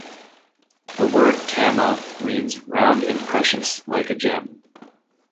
The word "tama" means "round and precious", like a gem.